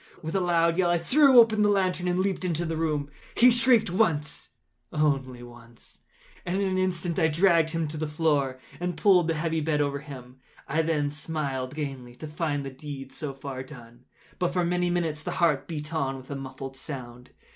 With a loud yell, I threw open the lantern and leaped into the room. He shrieked once—once only. In an instant I dragged him to the floor, and pulled the heavy bed over him. I then smiled gaily, to find the deed so far done. But, for many minutes, the heart beat on with a muffled sound.